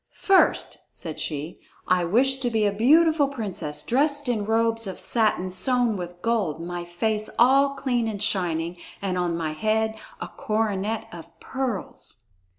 "First," said she, "I wish to be a beautiful princess, dressed in robes of satin sewn with gold, my face all clean and shining, and on my head a coronet of pearls."